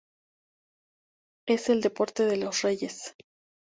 Es el deporte de los reyes.